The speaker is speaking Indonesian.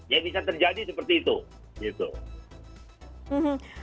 ya bisa terjadi seperti itu